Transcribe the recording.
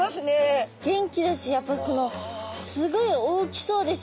元気だしやっぱこのすごい大きそうですよね。